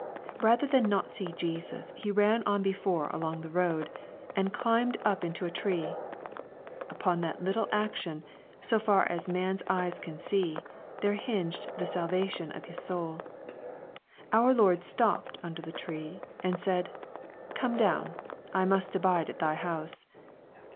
Bather than not see Jesus he ran on before along the road, and "climbed up into a tree." Upon that little action, so far as man's eyes can see, there hinged the salvation of his soul. Our Lord stopped under the tree, and said " Come down, I must abide at thy house."